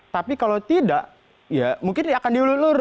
tapi kalau tidak ya mungkin akan diulur ulur